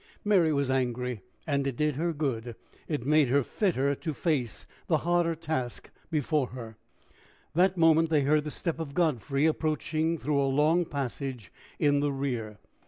Mary was angry, and it did her good; it made her fitter to face the harder task before her. That moment they heard the step of Godfrey approaching through a long passage in the rear.